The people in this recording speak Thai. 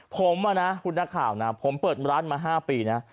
ผมคุณนักข่าวนะผมเปิดร้านมา๕ปีนะ